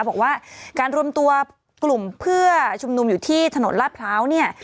บอกว่าการรวมตัวกลุ่มเพื่อชุมนุมอยู่ที่ถนนลาดพร้าวเนี่ย